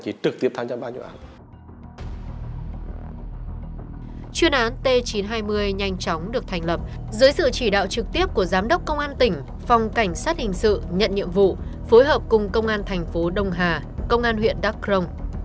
chuyên án t chín trăm hai mươi nhanh chóng được thành lập dưới sự chỉ đạo trực tiếp của giám đốc công an tỉnh phòng cảnh sát hình sự nhận nhiệm vụ phối hợp cùng công an thành phố đông hà công an huyện đắk rồng